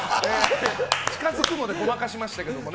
近づくまでごまかしましたけどね。